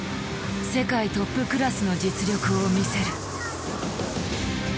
世界トップクラスの実力を見せる。